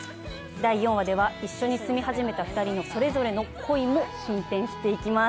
第４話では一緒に住み始めた２人のそれぞれの恋も進展していきます